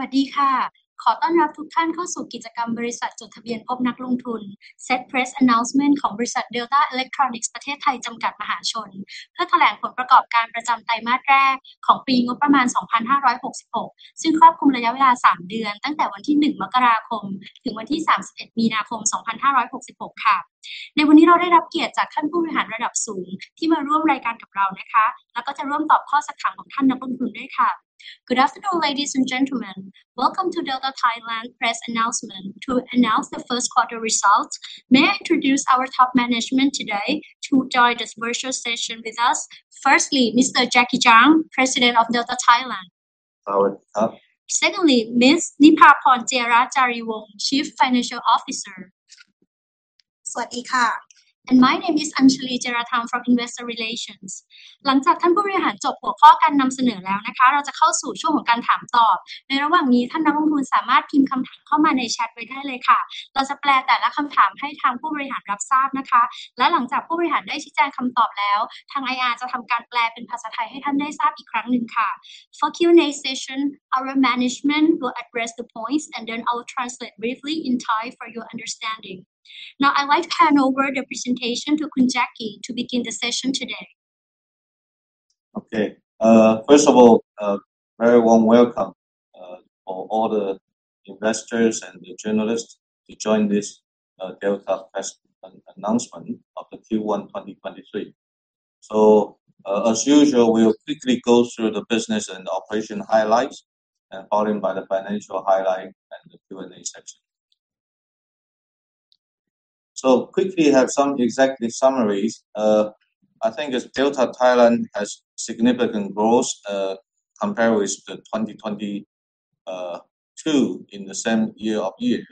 สวัสดีค่ะขอต้อนรับทุกท่านเข้าสู่กิจกรรมบริษัทจดทะเบียนพบนักลงทุน Set Press Announcement ของบริษัท Delta Electronics ประเทศไทยจำกัดมหาชนเพื่อแถลงผลประกอบการประจำไตรมาสแรกของปีงบประมาณ 2566 ซึ่งครอบคลุมระยะเวลาสามเดือนตั้งแต่วันที่ 1 มกราคมถึงวันที่ 31 มีนาคม 2566 ค่ะในวันนี้เราได้รับเกียรติจากท่านผู้บริหารระดับสูงที่มาร่วมรายการกับเรานะคะแล้วก็จะร่วมตอบข้อซักถามของท่านนักลงทุนด้วยค่ะ Good afternoon ladies and gentlemen, welcome to Delta Thailand Press Announcement to announce the first quarter results. May I introduce our top management today to join this virtual session with us. Firstly, Mr. Jackie Chang, President of Delta Thailand. Hello. Secondly, Ms. นิภาพร เจียรจารีวงศ์, Chief Financial Officer. สวัสดีค่ะ My name is Anchalee Jieratham from Investor Relations หลังจากท่านผู้บริหารจบหัวข้อการนำเสนอแล้วนะคะเราจะเข้าสู่ช่วงของการถามตอบในระหว่างนี้ท่านนักลงทุนสามารถพิมพ์คำถามเข้ามาในแชทไว้ได้เลยค่ะเราจะแปลแต่ละคำถามให้ทางผู้บริหารรับทราบนะคะและหลังจากผู้บริหารได้ชี้แจงคำตอบแล้วทาง IR จะทำการแปลเป็นภาษาไทยให้ท่านได้ทราบอีกครั้งหนึ่งค่ะ For Q&A session, our management will address the points and then I will translate briefly in Thai for your understanding. Now I'd like to hand over the presentation to Khun Jackie to begin the session today. Okay, first of all, a very warm welcome for all the investors and the journalists to join this Delta press announcement of the Q1 2023. As usual, we'll quickly go through the business and operation highlights followed by the financial highlight and the Q&A section. Quickly have some executive summaries. I think as Delta Thailand has significant growth compared with the 2022 year-over-year.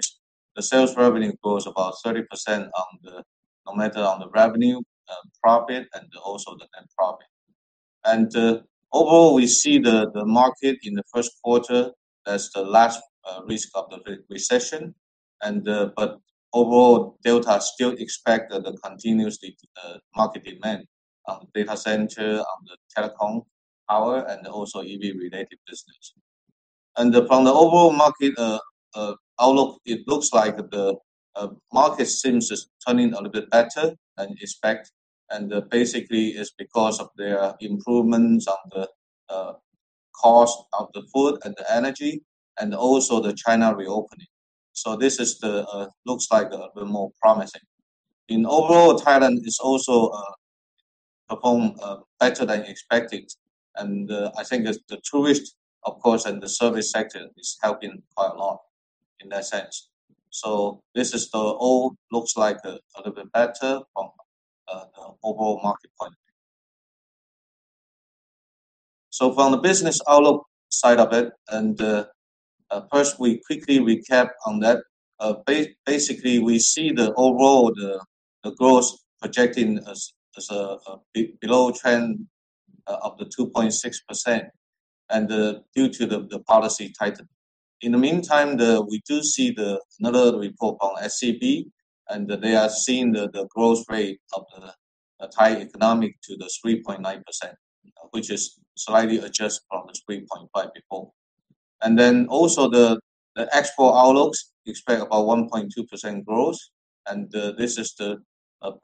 The sales revenue grows about 30% on the revenue, profit, and also the net profit. Overall, we see the market in the first quarter as less risk of the recession. Overall, Delta still expect the continuous market demand on data center, on the Telecom Power, and also EV related business. From the overall market outlook, it looks like the market seems to be turning a little bit better than expected, and basically it's because of the improvements in the cost of food and energy, and also the China reopening. This looks like a bit more promising. Overall, Thailand is also performing better than expected. I think it's the tourists, of course, and the service sector is helping quite a lot in that sense. This all looks like a little bit better from the overall market point of view. From the business outlook side of it, first we quickly recap that. Basically, we see the overall growth projecting as a below trend of the 2.6% and due to the policy tightening. In the meantime, we do see another report on SCB, and they are seeing the growth rate of the Thai economy to the 3.9%, which is slightly adjusted from the 3.5% before. Also export outlooks expect about 1.2% growth. Of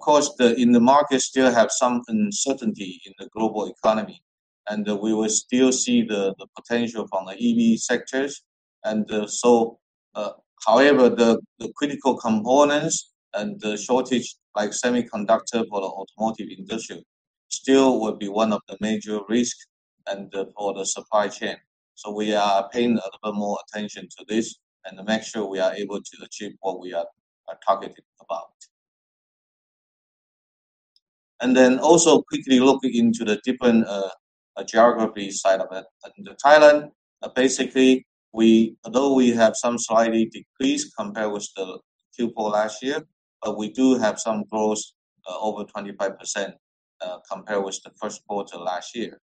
course, in the market still have some uncertainty in the global economy, and we will still see the potential from the EV sectors. However, the critical components and the shortage like semiconductor for the automotive industry still will be one of the major risks for the supply chain. We are paying a little more attention to this and make sure we are able to achieve what we are targeting about. Quickly look into the different geography side of it. In Thailand, basically, although we have some slight decrease compared with the Q4 last year, but we do have some growth over 25% compared with the first quarter last year.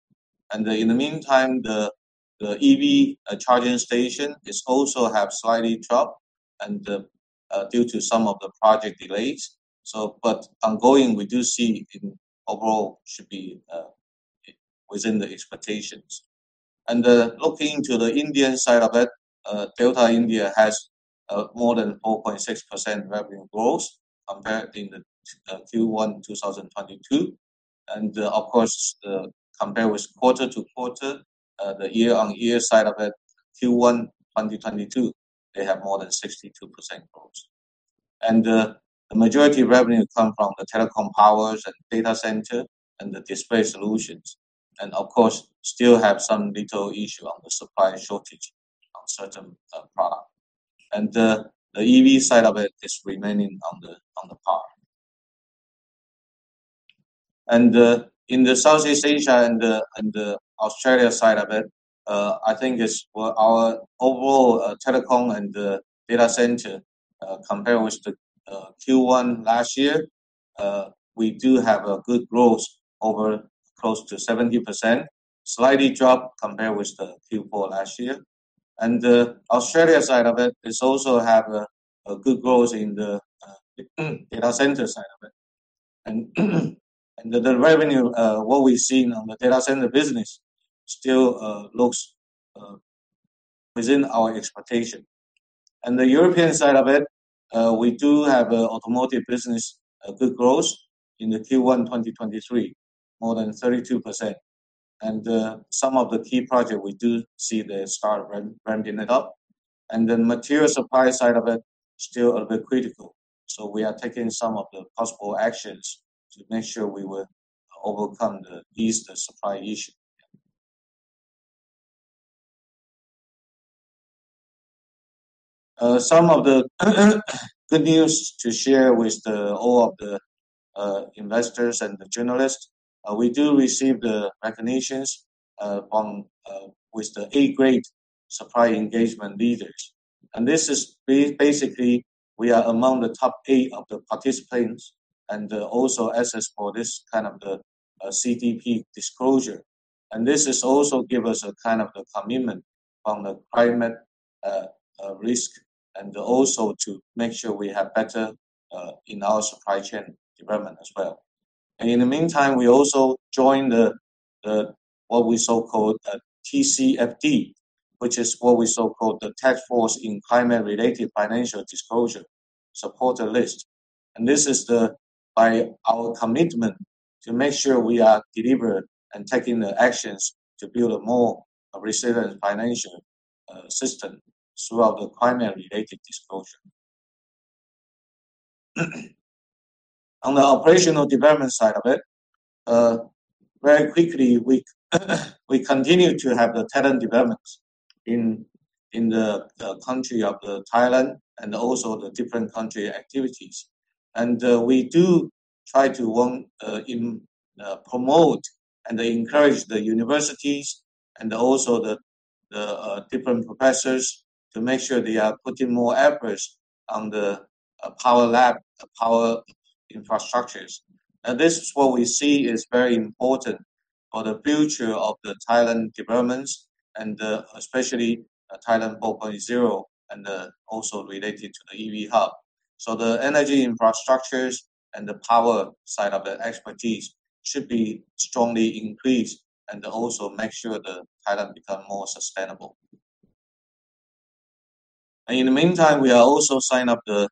In the meantime, the EV charging station is also have slightly dropped due to some of the project delays. Ongoing we do see in overall should be within the expectations. Looking to the Indian side of it, Delta Electronics India has more than 4.6% revenue growth compared to the Q1 2022. Of course, compared with quarter-over-quarter, the year-over-year side of it, Q1 2022, they have more than 62% growth. The majority of revenue come from the Telecom Power and data center and the Display Solutions. Of course, still have some little issue on the supply shortage on certain product. The EV side of it is remaining on par. In the Southeast Asia and Australia side of it, I think it's what our overall telecom and data center, compared with the Q1 last year, we do have a good growth over close to 70%, slight drop compared with the Q4 last year. The Australia side of it is also have a good growth in the data center side of it. The revenue what we've seen on the data center business still looks within our expectation. The European side of it, we do have a automotive business, a good growth in the Q1 2023, more than 32%. Some of the key project we do see the start ramping it up. The material supply side of it, still a bit critical. We are taking some of the possible actions to make sure we will ease the supply issue. Some of the good news to share with all of the investors and the journalists, we do receive the recognitions with the A-grade Supplier Engagement Leader. This is basically we are among the top eight of the participants, and also assess for this kind of CDP disclosure. This is also give us a kind of commitment on the climate risk, and also to make sure we have better in our supply chain development as well. In the meantime, we also joined what we so-called TCFD, which is what we so-called the Task Force in Climate-Related Financial Disclosure supporter list. This is by our commitment to make sure we are deliberate and taking the actions to build a more resilient financial system throughout the climate related disclosure. On the operational development side of it, very quickly, we continue to have the talent developments in the country of Thailand and also the different country activities. We try to promote and encourage the universities and also the different professors to make sure they are putting more efforts on the power lab, power infrastructures. This is what we see is very important for the future of the Thailand developments and especially Thailand 4.0 and also related to the EV hub. The energy infrastructures and the power side of the expertise should be strongly increased and also make sure that Thailand become more sustainable. In the meantime, we are also sign up the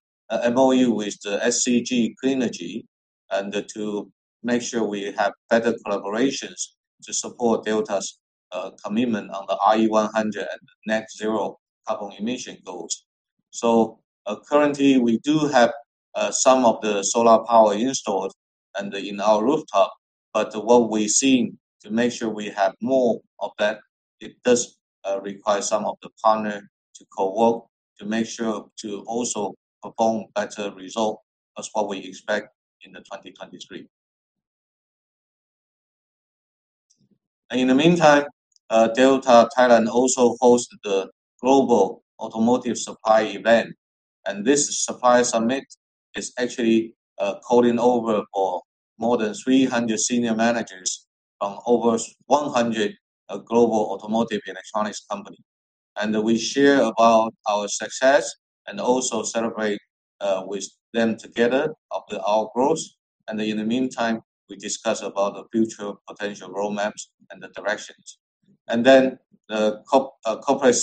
MOU with the SCG Cleanergy and to make sure we have better collaborations to support Delta's commitment on the RE100 net zero carbon emission goals. Currently, we do have some of the solar power installed and in our rooftop. But what we're seeing to make sure we have more of that, it does require some of the partner to co-work to make sure to also perform better result as what we expect in 2023. In the meantime, Delta Thailand also hosted the Global Automotive Supply Event, and this supply summit is actually calling over for more than 300 senior managers from over 100 global automotive electronics company. We share about our success and also celebrate with them together our growth. In the meantime, we discuss about the future potential roadmaps and the directions. Then the corporate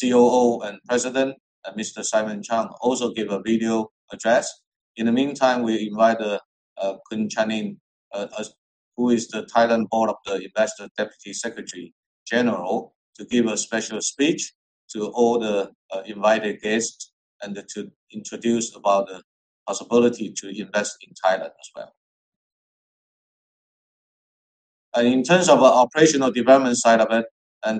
COO and President, Mr. Simon Chang, also give a video address. In the meantime, we invite Khun Chanin Khaochan, who is the Thailand Board of Investment Deputy Secretary General, to give a special speech to all the invited guests and to introduce about the possibility to invest in Thailand as well. In terms of operational development side of it,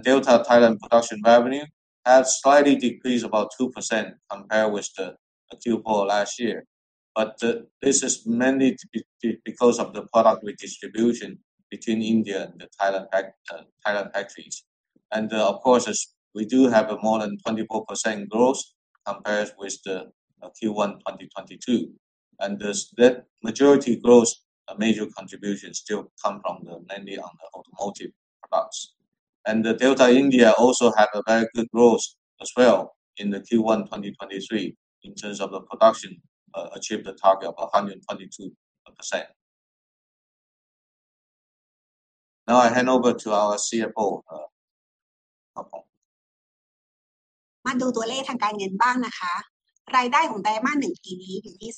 Delta Thailand production revenue has slightly decreased about 2% compared with the Q4 last year. This is mainly because of the product redistribution between India and the Thailand factories. Of course, as we do have a more than 24% growth compared with the Q1 2022, and the majority growth, a major contribution still come from mainly on the automotive products. The Delta Electronics India also had a very good growth as well in the Q1 2023 in terms of the production achieved the target of 122%. Now I hand over to our CFO. กำไรจากการดำเนินงานอยู่ที่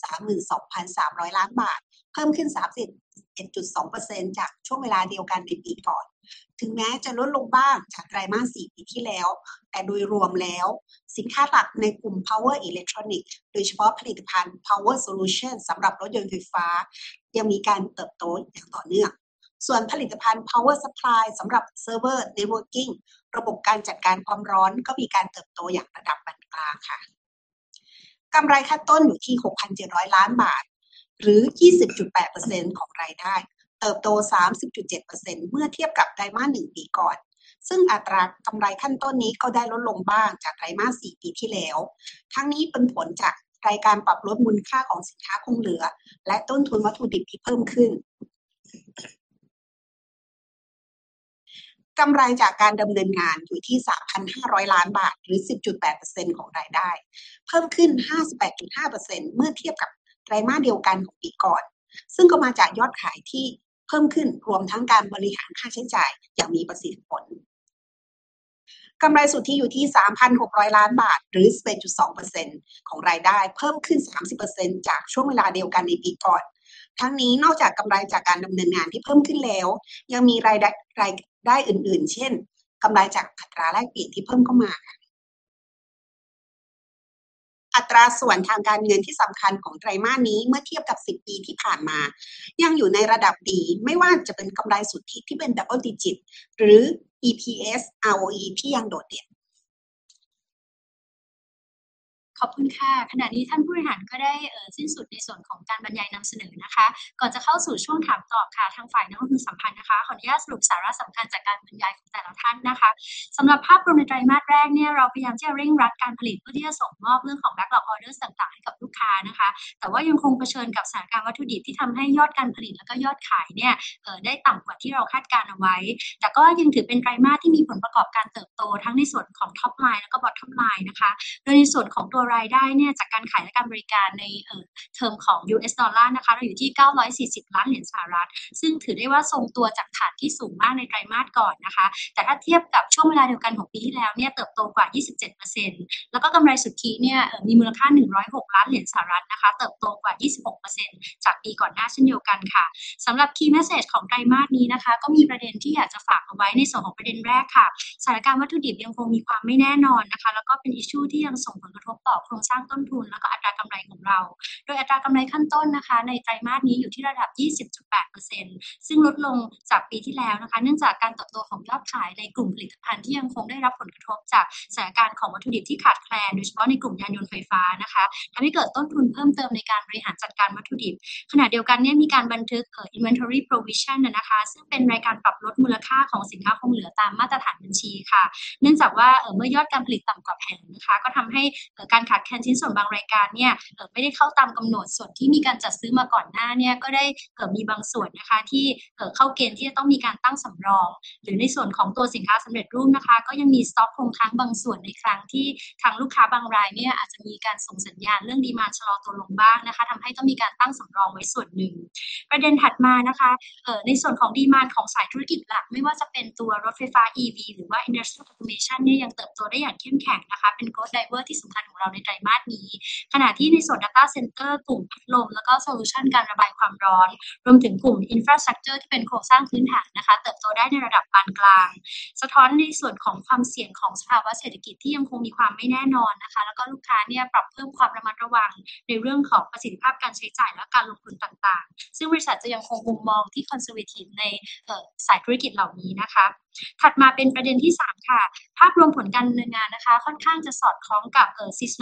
3,500 ล้านบาทหรือ 10.8% ของรายได้เพิ่มขึ้น 58.5% เมื่อเทียบกับไตรมาสเดียวกันของปีก่อนซึ่งก็มาจากยอดขายที่เพิ่มขึ้นรวมทั้งการบริหารค่าใช้จ่ายอย่างมีประสิทธิผลกำไรสุทธิอยู่ที่ 3,600 ล้านบาทหรือ 11.2% ของรายได้เพิ่มขึ้น 30% จากช่วงเวลาเดียวกันในปีก่อนทั้งนี้นอกจากกำไรจากการดำเนินงานที่เพิ่มขึ้นแล้วยังมีรายได้อื่นๆเช่นกำไรจากอัตราแลกเปลี่ยนที่เพิ่มเข้ามาอัตราส่วนทางการเงินที่สำคัญของไตรมาสนี้เมื่อเทียบกับสิบปีที่ผ่านมายังอยู่ในระดับดีไม่ว่าจะเป็นกำไรสุทธิที่เป็น Double Digit หรือ EPS ROE ที่ยังโดดเด่นขอบคุณค่ะขณะนี้ท่านผู้บริหารก็ได้สิ้นสุดในส่วนของการบรรยายนำเสนอนะคะก่อนจะเข้าสู่ช่วงถามตอบค่ะทางฝ่ายนักลงทุนสัมพันธ์นะคะขออนุญาตสรุปสาระสำคัญจากการบรรยายของแต่ละท่านนะคะสำหรับภาพรวมในไตรมาสแรกเนี่ยเราพยายามที่จะเร่งรัดการผลิตเพื่อที่จะส่งมอบเรื่องของ Backlog Order ต่างๆให้กับลูกค้านะคะแต่ว่ายังคงเผชิญกับสถานการณ์วัตถุดิบที่ทำให้ยอดการผลิตแล้วก็ยอดขายเนี่ยได้ต่ำกว่าที่เราคาดการณ์เอาไว้แต่ก็ยังถือเป็นไตรมาสที่มีผลประกอบการเติบโตทั้งในส่วนของ Top Line แล้วก็ Bottom Line นะคะโดยในส่วนของตัวรายได้จากการขายและการบริการใน Term ของ US Dollar นะคะเราอยู่ที่เก้าร้อยสี่สิบล้านเหรียญสหรัฐซึ่งถือได้ว่าทรงตัวจากฐานที่สูงมากในไตรมาสก่อนนะคะแต่ถ้าเทียบกับช่วงเวลาเดียวกันของปีที่แล้วเนี่ยเติบโตกว่า 27% แล้วก็กำไรสุทธิเนี่ยมีมูลค่าหนึ่งร้อยหกล้านเหรียญสหรัฐนะคะเติบโตกว่า 26% จากปีก่อนหน้าเช่นเดียวกันค่ะสำหรับ Key Message ของไตรมาสนี้นะคะก็มีประเด็นที่อยากจะฝากเอาไว้ในส่วนของประเด็นแรกค่ะสถานการณ์วัตถุดิบยังคงมีความไม่แน่นอนนะคะแล้วก็เป็น Issue ที่ยังส่งผลกระทบต่อโครงสร้างต้นทุนแล้วก็อัตรากำไรของเราโดยอัตรากำไรขั้นต้นนะคะในไตรมาสนี้อยู่ที่ระดับทำให้เกิดต้นทุนเพิ่มเติมในการบริหารจัดการวัตถุดิบขณะเดียวกันมีการบันทึก Inventory Provision นะคะซึ่งเป็นรายการปรับลดมูลค่าของสินค้าคงเหลือตามมาตรฐานบัญชีค่ะ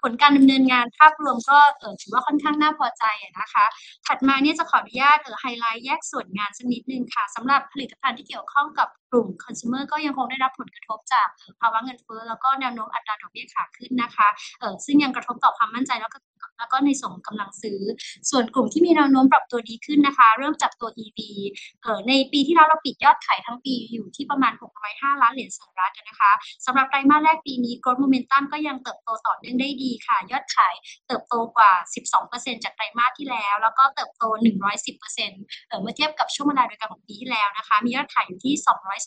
ก็ยังมี Stock คงค้างบางส่วนในครั้งที่ทางลูกค้าบางรายเนี่ยอาจจะมีการส่งสัญญาณเรื่อง Demand ชะลอตัวลงบ้างนะคะทำให้ต้องมีการตั้งสำรองไว้ส่วนหนึ่ง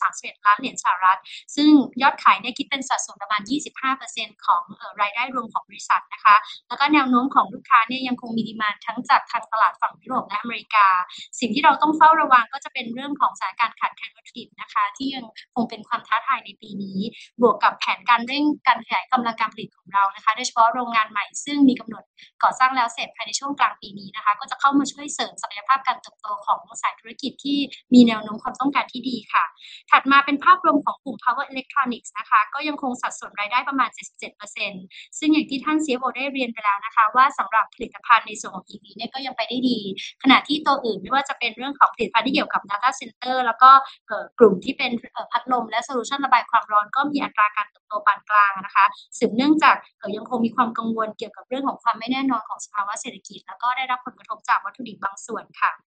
ประเด็นถัดมานะคะในส่วนของ Demand ของสายธุรกิจหลักไม่ว่าจะเป็นตัวรถไฟฟ้า EV หรือว่า Industrial Automation เนี่ยยังเติบโตได้อย่างเข้มแข็งนะคะเป็น Growth Driver ที่สำคัญของเราในไตรมาสนี้ขณะที่ในส่วน Data Center กลุ่มพัดลมแล้วก็ Solution การระบายความร้อนรวมถึงกลุ่ม Infrastructure ที่เป็นโครงสร้างพื้นฐานนะคะเติบโตได้ในระดับปานกลางสะท้อนให้เห็นส่วนของความเสี่ยงของสภาวะเศรษฐกิจที่ยังคงมีความไม่แน่นอนนะคะแล้วก็ลูกค้าเนี่ยปรับเพิ่มความระมัดระวังในเรื่องของประสิทธิภาพการใช้จ่ายและการลงทุนต่างๆซึ่งบริษัทจะยังคงมุมมองที่ Conservative ในสายธุรกิจเหล่านี้นะคะถัดมาเป็นประเด็นที่สามค่ะภาพรวมผลการดำเนินงานนะคะค่อนข้างจะสอดคล้องกับ seasonality นะคะและส่วนหนึ่งก็มาจากเรื่องของสถานการณ์วัตถุดิบแล้วก็ Demand ที่ได้กล่าวไปแล้วอย่างไรก็ตามอัตรากำไรสุทธิเนี่ยถือว่าปรับลดลงในสัดส่วนที่ไม่มากนักเมื่อเทียบกับอัตรากำไรขั้นต้นที่ลดลงนะคะสืบเนื่องจากว่าเรามีความสามารถในการบริหารค่าใช้จ่ายเกี่ยวกับการขายแล้วก็การจัดการได้ค่อนข้างดีโดยเฉพาะค่าใช้จ่ายจากการขายมีสัดส่วนลดลงนะคะไม่ว่าจะเป็นค่าขนส่งสินค้าที่มีการปรับตัวลดลงในขณะที่ยังสามารถผลักดันยอดขายให้ได้เติบโตนะคะประกอบกับมีเรื่อง Non-Operating Gain จากหลายส่วนที่ CFO ได้เรียนให้ทราบไปแล้วไม่ว่าจะเป็นกำไรจากอัตราแลกเปลี่ยนแล้วก็รายได้อื่นๆซึ่งในส่วนของ Non-Operating Item ส่วนนี้เราจะไม่ได้มีการคาดคะเนทิศทางนะคะไม่ว่าจะเป็นเรื่องของค่าเงินหรือว่าเรื่องรายได้เพิ่มเติมต่างๆเนื่องจากผู้บริหารจะโฟกัสในเรื่องของ Core Business เป็นหลักค่ะดังนั้นในส่วนของผลการดำเนินงานภาพรวมก็ถือว่าค่อนข้างน่าพอใจนะคะถัดมานี้จะขออนุญาตไฮไลท์แยกส่วนงานสักนิดนึงค่ะสำหรับผลิตภัณฑ์ที่เกี่ยวข้องกับกลุ่ม Consumer ก็ยังคงได้รับผลกระทบจากภาวะเงินเฟ้อแล้วก็แนวโน้มอัตราดอกเบี้ยขาขึ้นนะคะซึ่งยังกระทบต่อความมั่นใจแล้วก็ในส่วนของกำลังซื้อส่วนกลุ่มที่มีแนวโน้มปรับตัวดีขึ้นนะคะเริ่มจากตัว EV ในปีที่แล้วเราปิดยอดขายทั้งปีอยู่ที่ประมาณ USD 650 ล้านนะคะสำหรับไตรมาสแรกปีนี้ Growth Momentum ก็ยังเติบโตต่อเนื่องได้ดีค่ะยอดขายเติบโตกว่า 12% จากไตรมาสที่แล้วแล้วก็เติบโต 110% เมื่อเทียบกับช่วงเวลาเดียวกันของปีที่แล้วนะคะมียอดขายอยู่ที่ USD 231 ล้านซึ่งยอดขายนี้คิดเป็นสัดส่วนประมาณ 25% ของรายได้รวมของบริษัทนะคะแล้วก็แนวโน้มของลูกค้าเนี่ยยังคงมี Demand ทั้งจากทางตลาดฝั่งยุโรปและอเมริกาสิ่งที่เราต้องเฝ้าระวังก็จะเป็นเรื่องของสถานการณ์ขาดแคลนวัตถุดิบนะคะที่ยังคงเป็นความท้าทายในปีนี้บวกกับแผนการเร่งการขยายกำลังการผลิตของเรานะคะโดยเฉพาะโรงงานใหม่ซึ่งมีกำหนดก่อสร้างแล้วเสร็จภายในช่วงกลางปีนี้นะคะก็จะเข้ามาช่วยเสริมศักยภาพการเติบโตของทั้งสายธุรกิจที่มีแนวโน้มความต้องการที่ดีค่ะถัดมาเป็นภาพรวมของกลุ่ม Power Electronics นะคะก็ยังคงสัดส่วนรายได้ประมาณ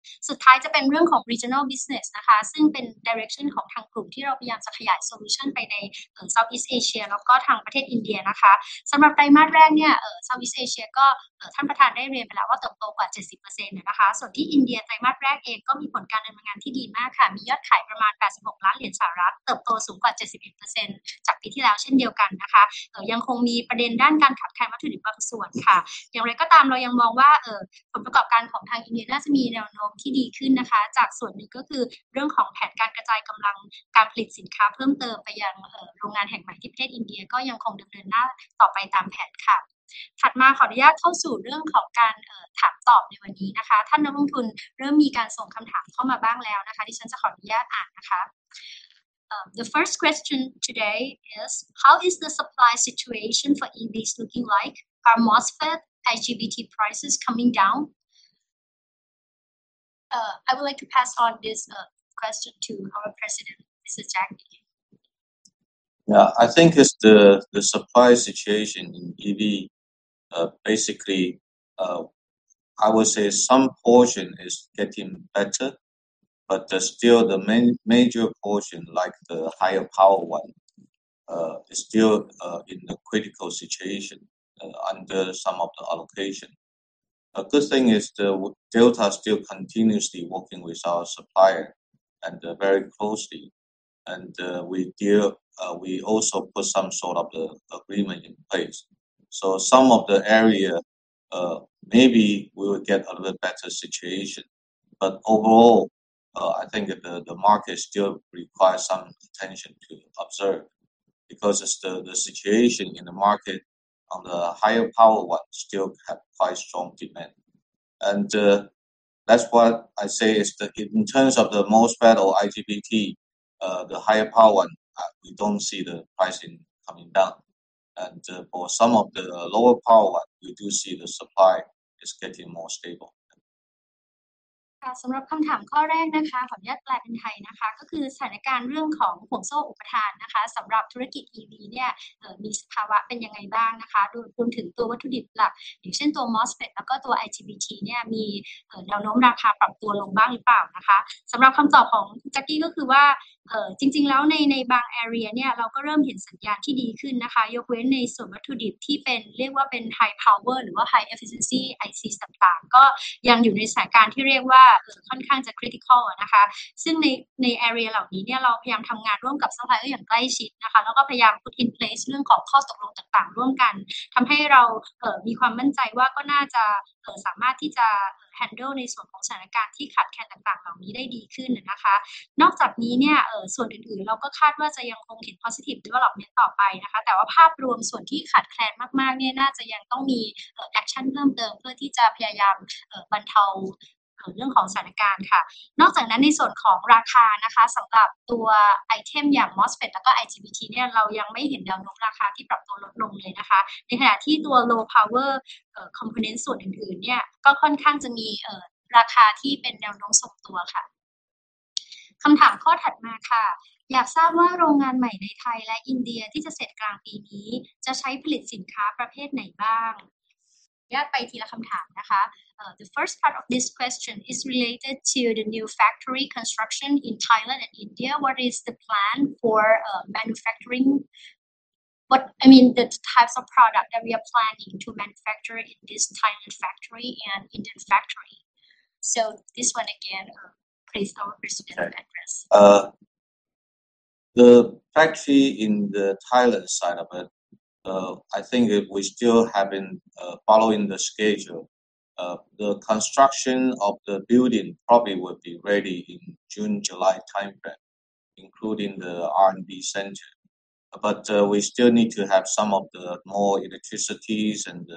77% ซึ่งอย่างที่ท่าน CFO ได้เรียนไปแล้วนะคะว่าสำหรับผลิตภัณฑ์ในส่วนของ EV เนี่ยก็ยังไปได้ดีขณะที่ตัวอื่นไม่ว่าจะเป็นเรื่องของผลิตภัณฑ์ที่เกี่ยวกับ Data Center แล้วก็กลุ่มที่เป็นพัดลมและ Solution ระบายความร้อนก็มีอัตราการเติบโตปานกลางนะคะสืบเนื่องจากยังคงมีความกังวลเกี่ยวกับเรื่องของความไม่แน่นอนของสภาวะเศรษฐกิจแล้วก็ได้รับผลกระทบจากวัตถุดิบบางส่วนค่ะสุดท้ายจะเป็นเรื่องของ Regional Business นะคะซึ่งเป็น Direction ของทางกลุ่มที่เราพยายามจะขยาย Solution ไปใน Southeast Asia แล้วก็ทางประเทศอินเดียนะคะสำหรับไตรมาสแรกเนี่ย Southeast Asia ก็ท่านประธานได้เรียนไปแล้วว่าเติบโตกว่า 70% นะคะส่วนที่อินเดียไตรมาสแรกเองก็มีผลการดำเนินงานที่ดีมากค่ะมียอดขายประมาณ USD 86 ล้านเติบโตสูงกว่า 71% จากปีที่แล้วเช่นเดียวกันนะคะยังคงมีประเด็นด้านการขาดแคลนวัตถุดิบบางส่วนค่ะอย่างไรก็ตามเรายังมองว่าผลประกอบการของทางอินเดียน่าจะมีแนวโน้มที่ดีขึ้นนะคะจากส่วนหนึ่งก็คือเรื่องของแผนการกระจายกำลังการผลิตสินค้าเพิ่มเติมไปยังโรงงานแห่งใหม่ที่ประเทศอินเดียก็ยังคงดำเนินหน้าต่อไปตามแผนค่ะถัดมาขออนุญาตเข้าสู่เรื่องของการถามตอบในวันนี้นะคะท่านนักลงทุนเริ่มมีการส่งคำถามเข้ามาบ้างแล้วนะคะดิฉันจะขออนุญาตอ่านนะคะ The first question today is how is the supply situation for EVs looking like? Are MOSFET, IGBT prices coming down? I would like to pass on this question to our President, Mr. Jackie Chang. Yeah, I think it's the supply situation in EV, basically, I would say some portion is getting better, but there's still the major portion like the higher power one, is still, in the critical situation under some of the allocation. A good thing is Delta still continuously working with our supplier and very closely. We also put some sort of agreement in place. Some of the area, maybe we will get a little better situation. Overall, I think the market still requires some attention to observe because the situation in the market on the higher power one still have quite strong demand. That's what I say is that in terms of the MOSFET or IGBT, the higher power one, we don't see the pricing coming down. For some of the lower power one, we do see the supply is getting more stable. สำหรับคำถามข้อแรกนะคะขออนุญาตแปลเป็นไทยนะคะก็คือสถานการณ์เรื่องของห่วงโซ่อุปทานนะคะสำหรับธุรกิจ EV เนี่ยมีสภาวะเป็นยังไงบ้างนะคะโดยรวมถึงตัววัตถุดิบหลักอย่างเช่นตัว MOSFET แล้วก็ตัว IGBT เนี่ยมีแนวโน้มราคาปรับตัวลงบ้างหรือเปล่านะคะสำหรับคำตอบของ Jackie ก็คือว่าจริงๆแล้วในบาง area เนี่ยเราก็เริ่มเห็นสัญญาณที่ดีขึ้นนะคะยกเว้นในส่วนวัตถุดิบที่เป็นเรียกว่าเป็น high power หรือว่า high efficiency IC ต่างๆก็ยังอยู่ในสถานการณ์ที่เรียกว่าค่อนข้างจะ critical นะคะซึ่งใน area เหล่านี้เนี่ยเราพยายามทำงานร่วมกับ supplier อย่างใกล้ชิดนะคะแล้วก็พยายาม put in place เรื่องของข้อตกลงต่างๆร่วมกันทำให้เรามีความมั่นใจว่าก็น่าจะสามารถที่จะ handle ในส่วนของสถานการณ์ที่ขาดแคลนต่างๆเหล่านี้ได้ดีขึ้นนะคะนอกจากนี้เนี่ยส่วนอื่นๆเราก็คาดว่าจะยังคงเห็น positive development ต่อไปนะคะแต่ว่าภาพรวมส่วนที่ขาดแคลนมากๆเนี่ยน่าจะยังต้องมี action เพิ่มเติมเพื่อที่จะพยายามบรรเทาเรื่องของสถานการณ์ค่ะนอกจากนั้นในส่วนของราคานะคะสำหรับตัว item อย่าง MOSFET แล้วก็ IGBT เนี่ยเรายังไม่เห็นแนวโน้มราคาที่ปรับตัวลดลงเลยนะคะในขณะที่ตัว low power component ส่วนอื่นๆเนี่ยก็ค่อนข้างจะมีราคาที่เป็นแนวโน้มทรงตัวค่ะคำถามข้อถัดมาค่ะอยากทราบว่าโรงงานใหม่ในไทยและอินเดียที่จะเสร็จกลางปีนี้จะใช้ผลิตสินค้าประเภทไหนบ้างขออนุญาตไปทีละคำถามนะคะ The first part of this question is related to the new factory construction in Thailand and India. What is the plan for manufacturing? I mean, the types of product that we are planning to manufacture in this Thailand factory and India factory. This one again, please, our President address. The factory in the Thailand side of it, I think we still have been following the schedule. The construction of the building probably would be ready in June-July timeframe, including the R&D center. We still need to have some of the more electricity and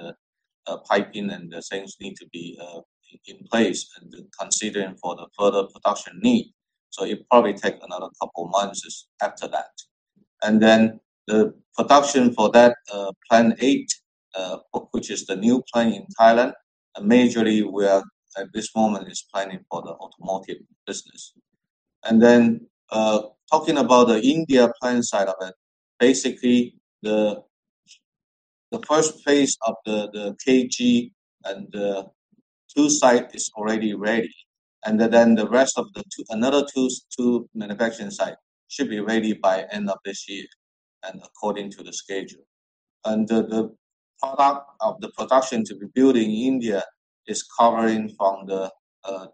piping and the things need to be in place and considering for the further production need. It probably take another couple months after that. The production for that Plant 8, which is the new plant in Thailand, majorly we are at this moment is planning for the automotive business. Talking about the India plant side of it, basically the first phase of the Krishnagiri and the two sites is already ready. Another two manufacturing sites should be ready by the end of this year and according to the schedule. The products of the production to be built in India cover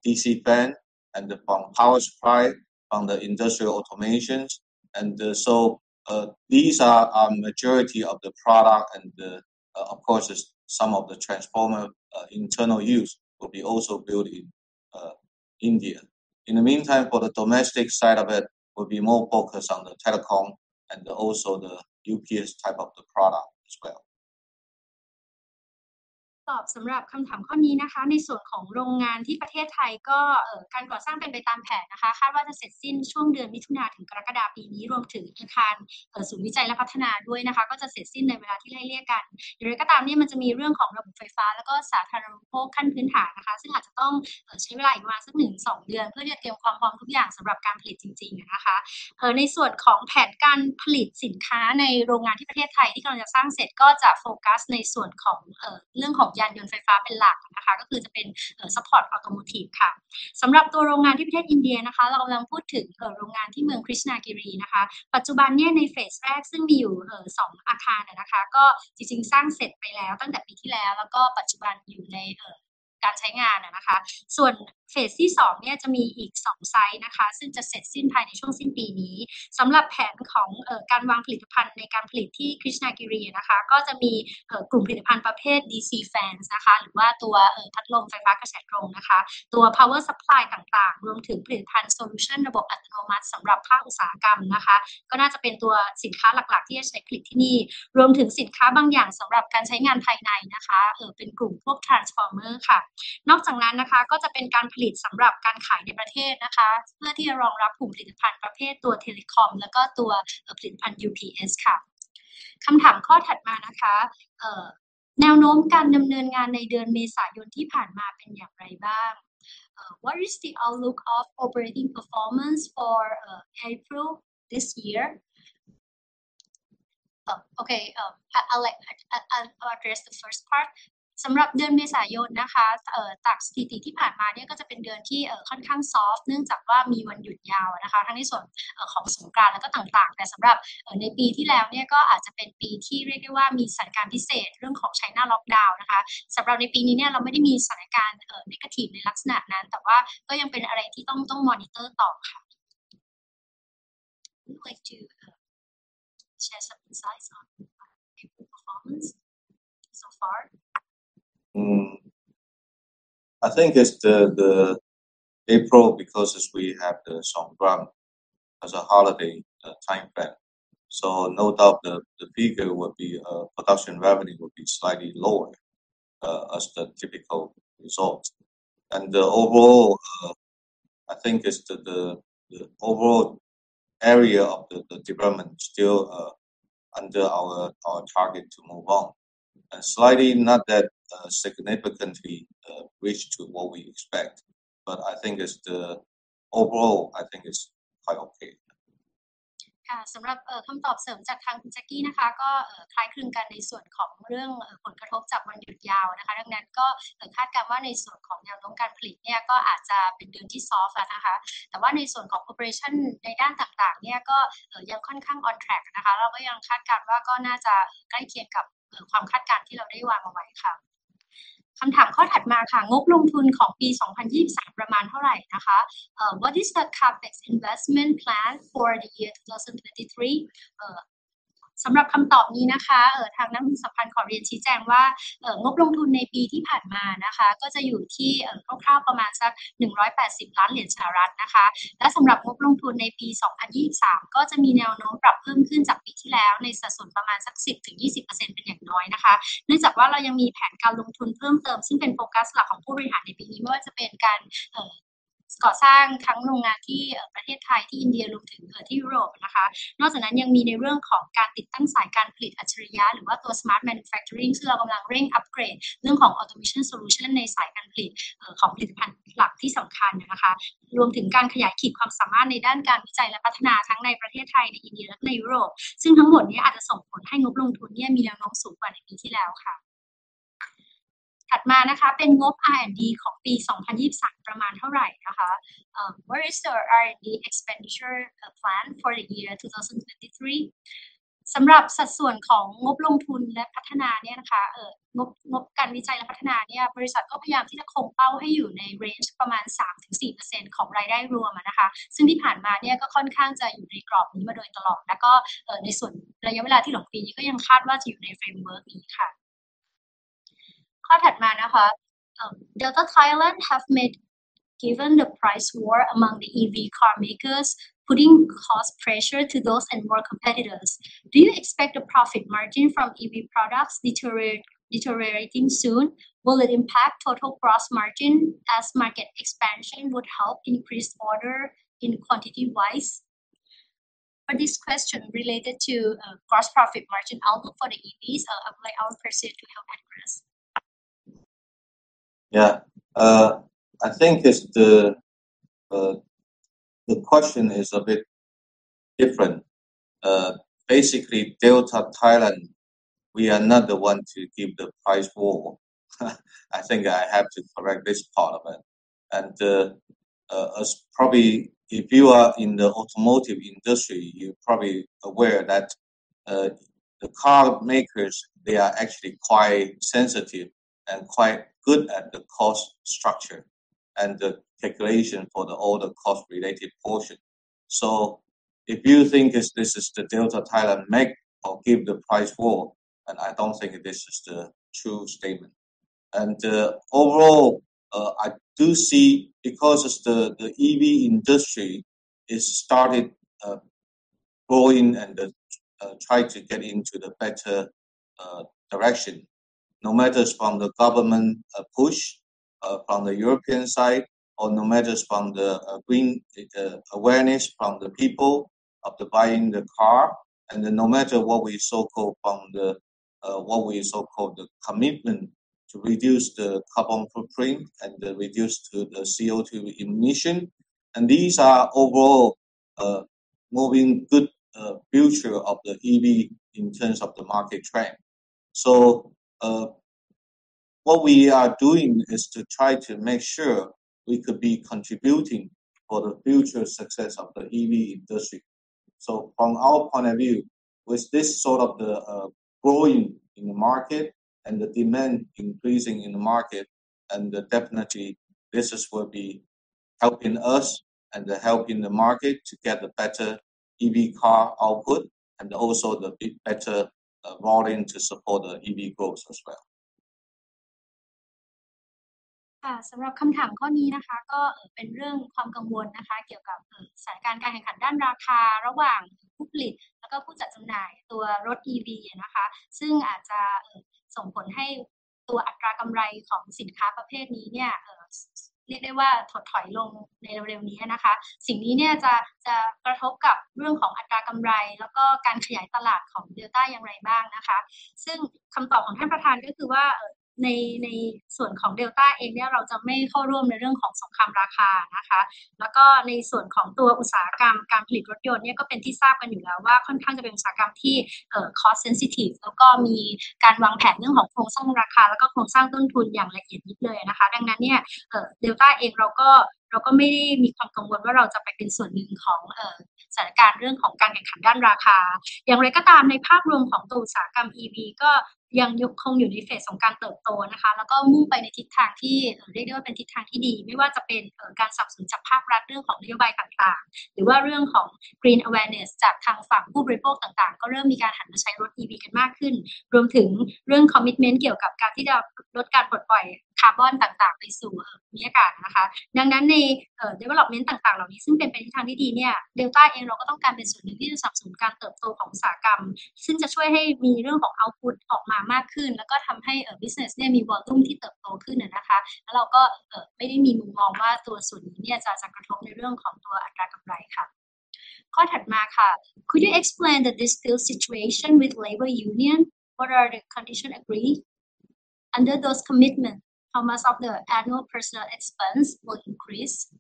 DC fan and power supply from industrial automation. These are majority of the product. Of course some of the transformer internal use will also be built in India. In the meantime, for the domestic side of it will be more focused on the telecom and also the UPS type of the product as well. ก็คือจะเป็น support automotive ค่ะสำหรับตัวโรงงานที่ประเทศอินเดียนะคะเราพูดถึงโรงงานที่เมือง Krishnagiri นะคะปัจจุบันใน phase แรกซึ่งมีอยู่สองอาคารนะคะจริงๆสร้างเสร็จไปแล้วตั้งแต่ปีที่แล้วแล้วก็ปัจจุบันอยู่ในการใช้งานนะคะส่วน Phase ที่สองจะมีอีกสองไซต์นะคะซึ่งจะเสร็จสิ้นภายในช่วงสิ้นปีนี้สำหรับแผนของการวางผลิตภัณฑ์ในการผลิตที่ Krishnagiri นะคะก็จะมีกลุ่มผลิตภัณฑ์ประเภท DC Fans นะคะหรือว่าตัวพัดลมไฟฟ้ากระแสตรงนะคะตัว Power Supply ต่างๆรวมถึงผลิตภัณฑ์ Solution ระบบอัตโนมัติสำหรับภาคอุตสาหกรรมนะคะก็น่าจะเป็นตัวสินค้าหลักๆที่จะใช้ผลิตที่นี่รวมถึงสินค้าบางอย่างสำหรับการใช้งานภายในนะคะเป็นกลุ่มพวก Transformer ค่ะนอกจากนั้นนะคะก็จะเป็นการผลิตสำหรับการขายในประเทศนะคะเพื่อที่จะรองรับกลุ่มผลิตภัณฑ์ประเภทตัว Telecom แล้วก็ตัวผลิตภัณฑ์ UPS ค่ะคำถามข้อถัดมานะคะ แนวโน้มการดำเนินงานในเดือนเมษายนที่ผ่านมาเป็นอย่างไรบ้าง? What is the outlook of operating performance for April this year? I'll address the first part. สำหรับเดือนเมษายนนะคะจากสถิติที่ผ่านมาเนี่ยก็จะเป็นเดือนที่ค่อนข้าง soft เนื่องจากว่ามีวันหยุดยาวนะคะทั้งในส่วนของสงกรานต์แล้วก็ต่างๆแต่สำหรับในปีที่แล้วเนี่ยก็อาจจะเป็นปีที่เรียกได้ว่ามีสถานการณ์พิเศษเรื่องของ China Lockdown นะคะสำหรับในปีนี้เนี่ยเราไม่ได้มีสถานการณ์ Negative ในลักษณะนั้นแต่ว่าก็ยังเป็นอะไรที่ต้องต้อง monitor ต่อค่ะ Would you like to share some insights on April performance so far. I think it's the April because we have the Songkran as a holiday timeframe. No doubt the figure would be production revenue would be slightly lower as the typical result. The overall I think is the overall area of the department still under our target to move on. Slightly not that significantly reach to what we expect, but I think it's the overall I think it's quite okay. สำหรับคำตอบเสริมจากทางคุณ Jackie นะคะก็คล้ายคลึงกันในส่วนของเรื่องผลกระทบจากวันหยุดยาวนะคะดังนั้นก็คาดการณ์ว่าในส่วนของแนวโน้มการผลิตเนี่ยก็อาจจะเป็นเดือนที่ soft แล้วนะคะแต่ว่าในส่วนของ Operation ในด้านต่างๆเนี่ยก็ยังค่อนข้าง on track นะคะเราก็ยังคาดการณ์ว่าก็น่าจะใกล้เคียงกับความคาดการณ์ที่เราได้วางเอาไว้ค่ะคำถามข้อถัดมาค่ะงบลงทุนของปี 2023 ประมาณเท่าไหร่นะคะ What is the CapEx investment plan for the year 2023? สำหรับคำตอบนี้นะคะทางนักลงทุนสัมพันธ์ขอเรียนชี้แจงว่างบลงทุนในปีที่ผ่านมานะคะก็จะอยู่ที่ประมาณสัก 180 ล้านเหรียญสหรัฐนะคะและสำหรับงบลงทุนในปี 2023 ก็จะมีแนวโน้มปรับเพิ่มขึ้นจากปีที่แล้วในสัดส่วนประมาณสัก 10 ถึง 20% เป็นอย่างน้อยนะคะเนื่องจากว่าเรายังมีแผนการลงทุนเพิ่มเติมซึ่งเป็นโฟกัสหลักของผู้บริหารในปีนี้ไม่ว่าจะเป็นการก่อสร้างทั้งโรงงานที่ประเทศไทยที่อินเดียรวมถึงที่ยุโรปนะคะนอกจากนั้นยังมีในเรื่องของการติดตั้งสายการผลิตอัจฉริยะหรือว่าตัว Smart Manufacturing ซึ่งเรากำลังเร่งอัพเกรดเรื่องของ Automation Solution ในสายการผลิตของผลิตภัณฑ์หลักที่สำคัญนะคะรวมถึงการขยายขีดความสามารถในด้านการวิจัยและพัฒนาทั้งในประเทศไทยในอินเดียและในยุโรปซึ่งทั้งหมดนี้อาจจะส่งผลให้งบลงทุนเนี่ยมีแนวโน้มสูงกว่าในปีที่แล้วค่ะถัดมานะคะเป็นงบ R&D ของปี 2023 ประมาณเท่าไหร่นะคะ What is the R&D expenditure plan for the year 2023? สำหรับสัดส่วนของงบลงทุนและพัฒนาเนี่ยนะคะงบการวิจัยและพัฒนาเนี่ยบริษัทก็พยายามที่จะคงเป้าให้อยู่ใน range ประมาณ 3 ถึง 4% ของรายได้รวมอ่ะนะคะซึ่งที่ผ่านมาเนี่ยก็ค่อนข้างจะอยู่ในกรอบนี้มาโดยตลอดแล้วก็ในส่วนระยะเวลาที่เหลือของปีนี้ก็ยังคาดว่าจะอยู่ใน framework นี้ค่ะข้อถัดมานะคะ Delta Thailand have made given the price war among the EV car makers putting cost pressure to those and more competitors. Do you expect the profit margin from EV products deteriorating soon? Will it impact total gross margin as market expansion would help increase order in quantity wise? For this question related to gross profit margin outlook for the EVs. I'll invite our president to help address. Yeah. I think it's the question is a bit different. Basically, Delta Thailand, we are not the one to give the price war. I think I have to correct this part of it. As probably if you are in the automotive industry, you're probably aware that the car makers, they are actually quite sensitive and quite good at the cost structure and the calculation for all the cost related portion. If you think this is the Delta Thailand make or give the price war, I don't think this is the true statement. Overall, I do see because the EV industry is started growing and try to get into the better direction, no matter from the government push from the European side or no matter from the green awareness from the people of the buying the car. No matter what we so-called the commitment to reduce the carbon footprint and reduce to the CO2 emission. These are overall moving good future of the EV in terms of the market trend. What we are doing is to try to make sure we could be contributing for the future success of the EV industry. From our point of view, with this sort of the growing in the market and the demand increasing in the market, and definitely business will be helping us and helping the market to get a better EV car output and also a bit better volume to support the EV growth as well. สำหรับคำถามข้อนี้นะคะ EV อะนะคะซึ่งอาจจะส่งผลให้ตัวอัตรากำไรของสินค้าประเภทนี้เนี่ยเรียกได้ว่าถดถอยลงในเร็วๆนี้อะนะคะ สิ่งนี้เนี่ยจะ, จะกระทบกับเรื่องของอัตรากำไรแล้วก็การขยายตลาดของ Delta อย่างไรบ้างนะคะซึ่งคำตอบของท่านประธานก็คือว่าในส่วนของ Delta เองเนี่ยเราจะไม่เข้าร่วมในเรื่องของสงครามราคานะคะแล้วก็ในส่วนของตัวอุตสาหกรรมการผลิตรถยนต์เนี่ยก็เป็นที่ทราบกันอยู่แล้วว่าค่อนข้างจะเป็นอุตสาหกรรมที่ cost sensitive แล้วก็มีการวางแผนเรื่องของโครงสร้างราคาแล้วก็โครงสร้างต้นทุนอย่างละเอียดนิดเลยนะคะดังนั้นเนี่ย Delta เองเราก็, เราก็ไม่ได้มีความกังวลว่าเราจะไปเป็นส่วนหนึ่งของสถานการณ์เรื่องของการแข่งขันด้านราคาอย่างไรก็ตามในภาพรวมของตัวอุตสาหกรรม EV ก็ยังคงอยู่ใน phase ของการเติบโตนะคะแล้วก็มุ่งไปในทิศทางที่เรียกได้ว่าเป็นทิศทางที่ดีไม่ว่าจะเป็นการสนับสนุนจากภาครัฐเรื่องของนโยบายต่างๆหรือว่าเรื่องของ green awareness จากทางฝั่งผู้บริโภคต่างๆก็เริ่มมีการหันมาใช้รถ EV กันมากขึ้นรวมถึงเรื่อง commitment เกี่ยวกับการที่จะลดการปลดปล่อยคาร์บอนต่างๆไปสู่บรรยากาศนะคะดังนั้นใน development ต่างๆเหล่านี้ซึ่งเป็นไปในทิศทางที่ดีเนี่ย Delta เองเราก็ต้องการเป็นส่วนหนึ่งที่จะสนับสนุนการเติบโตของอุตสาหกรรมซึ่งจะช่วยให้มีเรื่องของ output ออกมามากขึ้นแล้วก็ทำให้ business เนี่ยมี volume ที่เติบโตขึ้นน่ะนะคะ แล้วเราก็ไม่ได้มีมุมมองว่าตัวส่วนนี้เนี่ยจะ, จะกระทบในเรื่องของตัวอัตรากำไรค่ะข้อถัดมาค่ะ Could you explain the dispute situation with labor union? What are the conditions agreed under those commitments? How much of the annual personnel expense will increase?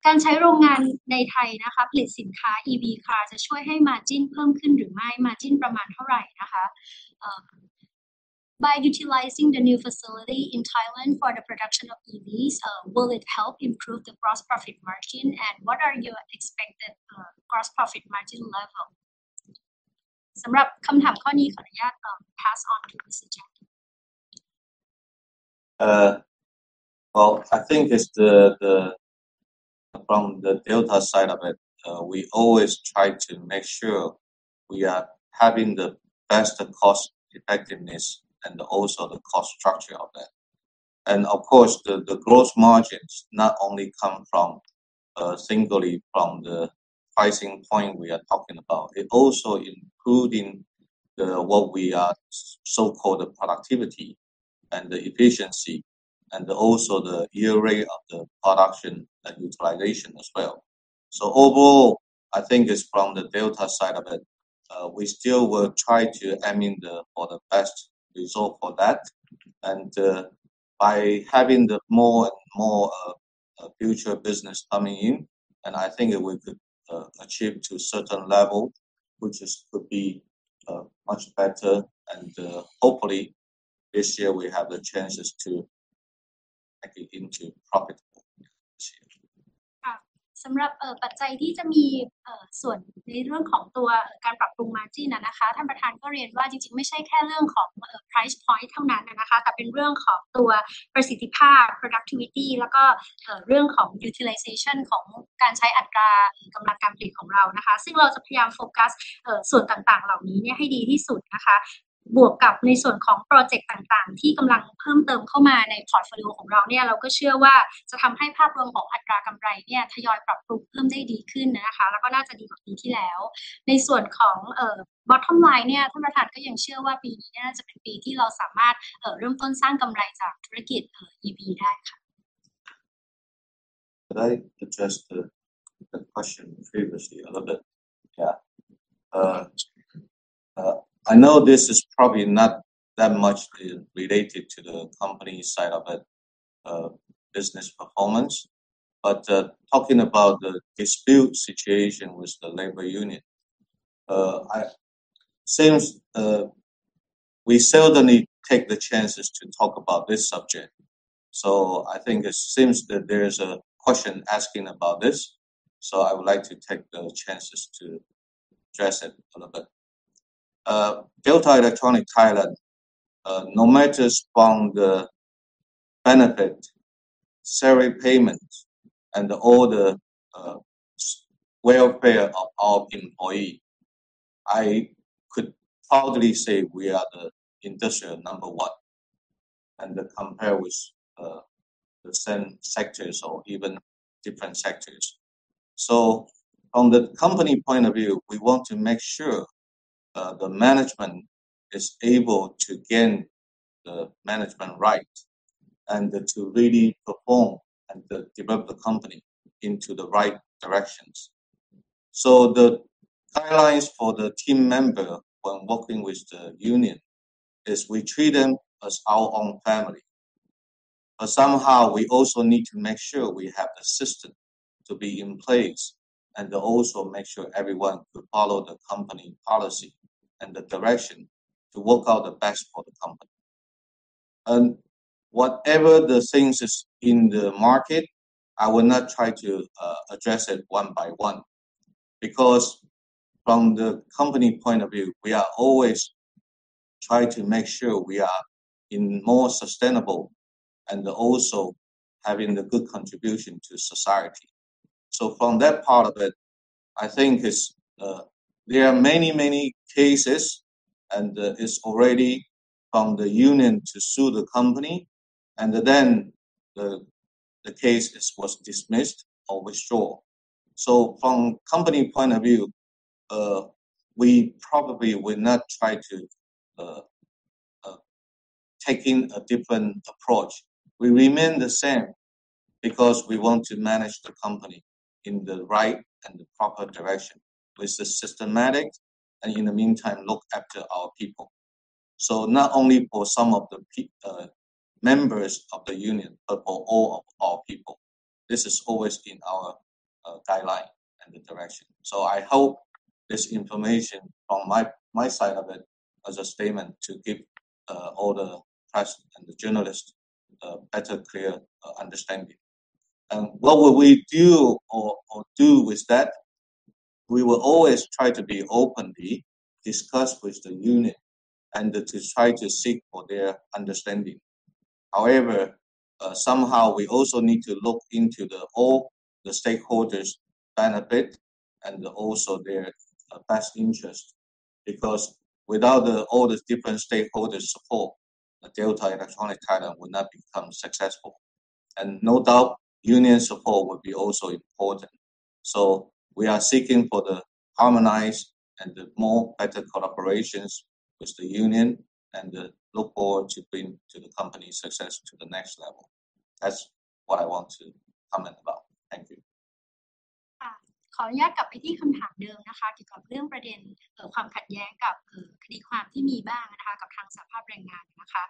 สำหรับข้อนี้เป็นเรื่องสภาพแรงงานนะคะจริงๆเราก็จะไม่ได้มี comment ในส่วนคำตอบเกี่ยวกับด้านนี้โดยตรงนะคะเพราะว่าเราก็ค่อนข้างที่จะใช้หลักการในเรื่องของแรงงานสัมพันธ์อย่างสอดคล้องกับหลักกฎหมายนะคะขออนุญาตข้ามไปข้อถัดไปค่ะ This is the... การใช้โรงงานในไทยนะคะผลิตสินค้า EV Car จะช่วยให้ margin เพิ่มขึ้นหรือไม่ margin ประมาณเท่าไหร่นะคะ By utilizing the new facility in Thailand for the production of EVs, will it help improve the gross profit margin? And what are your expected gross profit margin level? สำหรับคำถามข้อนี้ขออนุญาต pass on to Mr. Jack ค่ะ Well, I think it's from the Delta side of it, we always try to make sure we are having the best cost effectiveness and also the cost structure of that. Of course, the gross margins not only come from singly from the pricing point we are talking about. It also including the what we are so-called productivity and the efficiency and also the yield rate of the production and utilization as well. Overall, I think it's from the Delta side of it, we still will try to aim in for the best result for that. By having the more and more future business coming in, and I think we could achieve to a certain level which is could be much better. Hopefully this year we have the chances to make it profitable this year. สำหรับปัจจัยที่จะมีส่วนในเรื่องของการปรับปรุง margin นะคะท่านประธานก็เรียนว่าจริงๆไม่ใช่แค่เรื่องของ price point เท่านั้นนะคะแต่เป็นเรื่องของตัวประสิทธิภาพ productivity แล้วก็เรื่องของ utilization ของการใช้อัตรากำลังการผลิตของเรานะคะซึ่งเราจะพยายามโฟกัสส่วนต่างๆเหล่านี้เนี่ยให้ดีที่สุดนะคะบวกกับในส่วนของ project ต่างๆที่กำลังเพิ่มเติมเข้ามาใน portfolio ของเรานั้นเราก็เชื่อว่าจะทำให้ภาพรวมของอัตรากำไรเนี่ยทยอยปรับปรุงเพิ่มได้ดีขึ้นนะคะแล้วก็น่าจะดีกว่าปีที่แล้วในส่วนของ bottom line เนี่ยท่านประธานก็ยังเชื่อว่าปีนี้เนี่ยน่าจะเป็นปีที่เราสามารถเริ่มต้นสร้างกำไรจากธุรกิจ EV ได้ค่ะ Can I address the question previously a little bit? Yeah. I know this is probably not that much related to the company side of it, business performance. Talking about the dispute situation with the labor union, since we seldom take the chances to talk about this subject. I think it seems that there is a question asking about this. I would like to take the chances to address it a little bit. Delta Electronics (Thailand), no matter the benefits, salary payment, and all the welfare of our employees, I could proudly say we are the industry number one and compare with the same sectors or even different sectors. From the company point of view, we want to make sure the management is able to gain the management rights and to really perform and develop the company into the right directions. The guidelines for the team member when working with the union is we treat them as our own family. But somehow we also need to make sure we have a system to be in place and also make sure everyone could follow the company policy and the direction to work out the best for the company. Whatever the things is in the market, I will not try to address it one by one because from the company point of view, we are always try to make sure we are in more sustainable and also having the good contribution to society. From that part of it, I think there are many cases and already from the union to sue the company and then the case was dismissed or withdrawn. From company point of view, we probably will not try to taking a different approach. We remain the same because we want to manage the company in the right and the proper direction with the systematic and in the meantime look after our people. Not only for some of the members of the union, but for all of our people. This is always in our guideline and the direction. I hope this information from my side of it as a statement to give all the press and the journalists a better clear understanding. What will we do or do with that? We will always try to be openly discuss with the union and to try to seek for their understanding. However, somehow we also need to look into the stakeholders benefit and also their best interest because without the different stakeholders support, the Delta Electronics (Thailand) would not become successful. No doubt union support would be also important. We are seeking for the harmonized and the more better collaborations with the union and look forward to bring to the company success to the next level. That's what I want to comment about. Thank you. ขออนุญาตกลับไปที่คำถามเดิมนะคะเกี่ยวกับเรื่องประเด็นความขัดแย้งกับคดีความที่มีบ้างนะคะกับทางสหภาพแรงงานนะคะ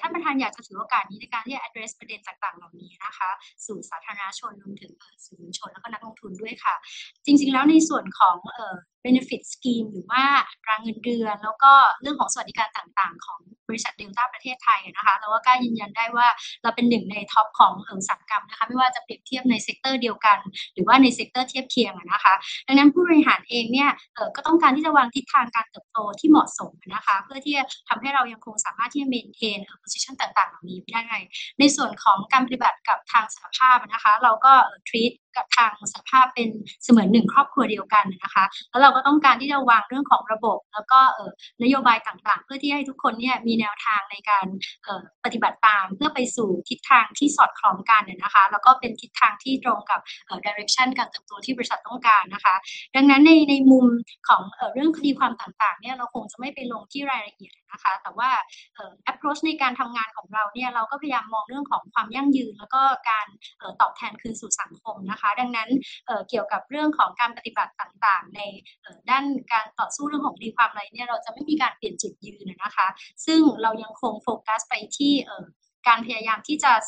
ท่านประธานอยากจะถือโอกาสนี้ในการเรียก address ประเด็นต่างๆเหล่านี้นะคะสู่สาธารณชนรวมถึงสู่หุ้นชนแล้วก็นักลงทุนด้วยค่ะจริงๆแล้วในส่วนของ benefit scheme หรือว่ารายเงินเดือนแล้วก็เรื่องของสวัสดิการต่างๆของบริษัท Delta Electronics ประเทศไทยนะคะเราก็กล้ายืนยันได้ว่าเราเป็นหนึ่งในท็อปของอุตสาหกรรมนะคะไม่ว่าจะเปรียบเทียบใน sector เดียวกันหรือว่าใน sector เทียบเคียงนะคะดังนั้นผู้บริหารเองเนี่ยก็ต้องการที่จะวางทิศทางการเติบโตที่เหมาะสมนะคะเพื่อที่จะทำให้เรายังคงสามารถที่จะ maintain position ต่างๆเหล่านี้ไว้ได้ในส่วนของการปฏิบัติกับทางสหภาพนะคะเราก็ treat กับทางสหภาพเป็นเสมือนหนึ่งครอบครัวเดียวกันนะคะแล้วเราก็ต้องการที่จะวางเรื่องของระบบแล้วก็นโยบายต่างๆเพื่อที่จะให้ทุกคนเนี่ยมีแนวทางในการปฏิบัติตามเพื่อไปสู่ทิศทางที่สอดคล้องกันนะคะแล้วก็เป็นทิศทางที่ตรงกับ direction การเติบโตที่บริษัทต้องการนะคะดังนั้นในมุมของเรื่องคดีความต่างๆเนี่ยเราคงจะไม่ไปลงที่รายละเอียดนะคะแต่ว่า approach ในการทำงานของเราเนี่ยเราก็พยายามมองเรื่องของความยั่งยืนแล้วก็การตอบแทนคืนสู่สังคมนะคะดังนั้นเกี่ยวกับเรื่องของการปฏิบัติต่างๆในด้านการต่อสู้เรื่องของคดีความอะไรเนี่ยเราจะไม่มีการเปลี่ยนจุดยืนนะคะซึ่งเรายังคงโฟกัสไปที่การพยายามที่จะเซตแนวทางที่ถูกต้องและเหมาะสมสอดคล้องกับทิศทางการเติบโตของบริษัทพยายามที่จะวางระบบนะคะแล้วก็พยายามที่จะใส่ใจกับบุคลากรของเรานะคะดังนั้นในส่วนของการทำงานร่วมกับสหภาพเนี่ยเราก็จะมีการสนทนาพูดคุยกันอย่างเปิดเผยตรงไปตรงมานะคะแล้วก็มีการแลกเปลี่ยนความคิดเห็นรวมถึงพยายามที่จะทำความเข้าใจจุดยืนที่ได้มีการแลกเปลี่ยนมุมมองกันนะคะนอกจากนั้นเนี่ยในภาพรวมจริงๆแล้ว Delta เราค่อนข้างจะให้ความใส่ใจกับผู้มีส่วนได้เสียทุกๆฝ่ายนะคะรวมถึง concern ในประเด็นด้านต่างๆพยายามทำความเข้าใจแล้วก็คาดหวังที่จะได้รับการสนับสนุนอย่างต่อเนื่องนะคะโดยเฉพาะในส่วนของการสนับสนุนจากทางสหภาพเนี่ยก็จะเป็นสิ่งหนึ่งที่เราอยากที่จะหวังว่าจะได้รับการสนับสนุนเพื่อเข้ามาช่วยเสริมสร้างการเติบโตต่อไปนะคะแล้วเราก็หวังที่จะสร้างเรื่องของสันติภาพนะคะแล้วก็ความร่วมมือซึ่งกันและกันเพื่อที่จะนำไปสู่ความสำเร็จบทใหม่ของบริษัท Delta นะคะสำหรับขออนุญาตไปคำถามข้อถัดมานะคะจากข่าว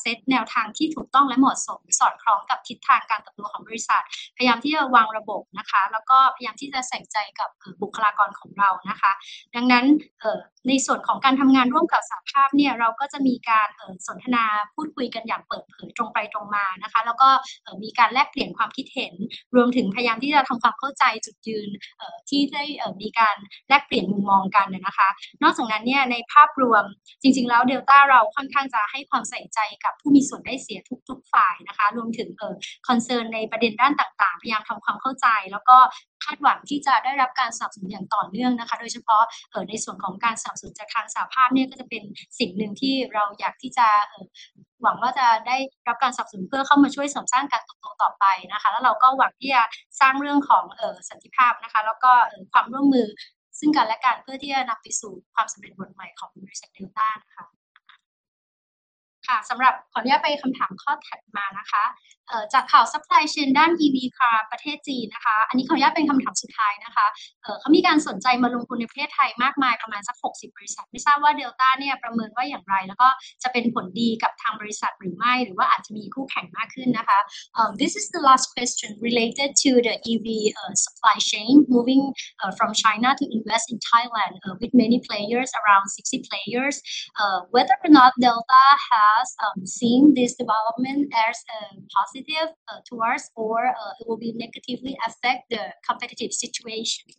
supply chain ด้าน EV car ประเทศจีนนะคะอันนี้ขออนุญาตเป็นคำถามสุดท้ายนะคะเขามีการสนใจมาลงทุนในประเทศไทยมากมายประมาณสักหกสิบบริษัทไม่ทราบว่า Delta เนี่ยประเมินว่าอย่างไรแล้วก็จะเป็นผลดีกับทางบริษัทหรือไม่หรือว่าอาจจะมีคู่แข่งมากขึ้นนะคะ This is the last question related to the EV supply chain moving from China to invest in Thailand, with many players around sixty players. Whether or not Delta has seen this development as a positive toward or it will be negatively affect the competitive situation.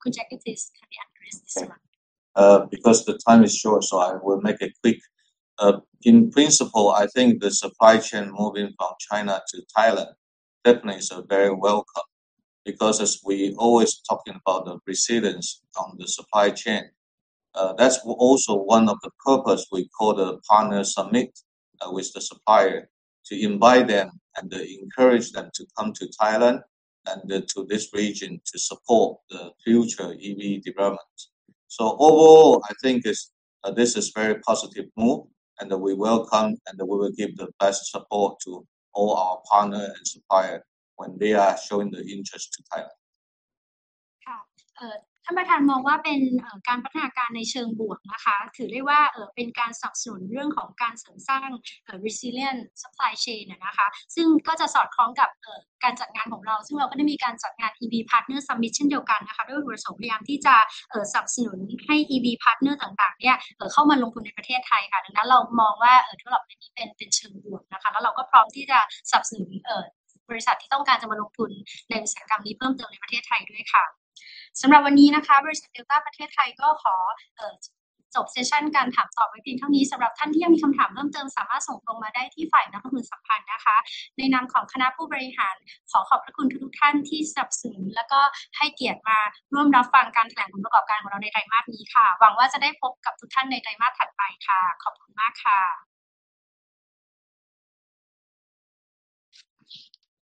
Could you please address this one? Because the time is short, so I will make it quick. In principle, I think the supply chain moving from China to Thailand definitely is a very welcome because as we always talking about the resilience on the supply chain, that's also one of the purpose we call the partner summit, with the supplier to invite them and encourage them to come to Thailand and to this region to support the future EV development. Overall, I think this is very positive move and we welcome and we will give the best support to all our partner and supplier when they are showing the interest to Thailand. ท่านประธานมองว่าเป็นการพัฒนาการในเชิงบวกนะคะถือได้ว่าเป็นการสนับสนุนเรื่องของการเสริมสร้าง Resilient Supply Chain อะนะคะซึ่งก็จะสอดคล้องกับการจัดงานของเราซึ่งเราก็ได้มีการจัดงาน EV Partners Summit เช่นเดียวกันนะคะด้วยจุดประสงค์พยายามที่จะสนับสนุนให้ EV Partner ต่างๆเนี่ยเข้ามาลงทุนในประเทศไทยค่ะดังนั้นเรามองว่าเรื่องเหล่านี้เป็นเชิงบวกนะคะแล้วเราก็พร้อมที่จะสนับสนุนบริษัทที่ต้องการจะมาลงทุนในอุตสาหกรรมนี้เพิ่มเติมในประเทศไทยด้วยค่ะสำหรับวันนี้นะคะบริษัท Delta Electronics (Thailand) ก็ขอจบ session การถามตอบไว้เพียงเท่านี้สำหรับท่านที่ยังมีคำถามเพิ่มเติมสามารถส่งตรงมาได้ที่ฝ่ายนักลงทุนสัมพันธ์นะคะในนามของคณะผู้บริหารขอขอบพระคุณทุกๆท่านที่สนับสนุนแล้วก็ให้เกียรติมาร่วมรับฟังการแถลงผลประกอบการของเราในไตรมาสนี้ค่ะหวังว่าจะได้พบกับทุกท่านในไตรมาสถัดไปค่ะขอบคุณมากค่ะ